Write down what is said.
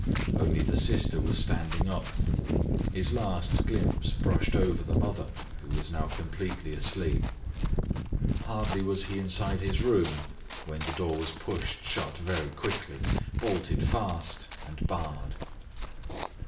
Only the sister was standing up. His last glimpse brushed over the mother who was now completely asleep. Hardly was he inside his room when the door was pushed shut very quickly, bolted fast, and barred.